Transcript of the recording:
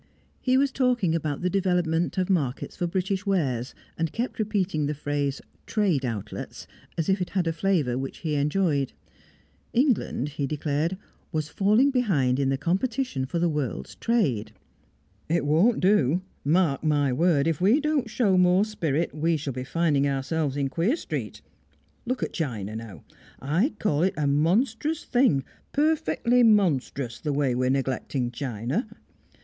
He was talking about the development of markets for British wares, and kept repeating the phrase "trade outlets," as if it had a flavour which he enjoyed. England, he declared, was falling behind in the competition for the world's trade. "It won't do. Mark my word, if we don't show more spirit, we shall be finding ourselves in Queer Street. Look at China, now! I call it a monstrous thing, perfectly monstrous, the way we're neglecting China."